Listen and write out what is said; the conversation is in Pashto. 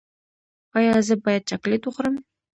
ایا زه باید چاکلیټ وخورم؟